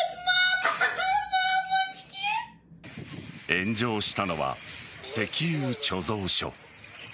炎上したのは石油貯蔵所。